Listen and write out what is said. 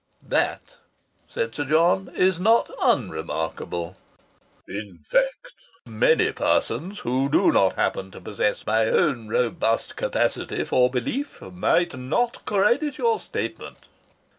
"That," said Sir John, "is not unremarkable. In fact many persons who do not happen to possess my own robust capacity for belief might not credit your statement."